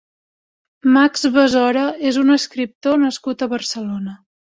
Max Besora és un escriptor nascut a Barcelona.